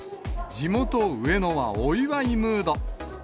地元、上野はお祝いムード。